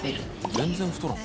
全然太らん。